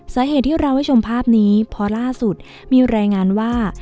สาเหตุที่เราให้ชมภาพนี้พอล่าสุดมีรายงานว่า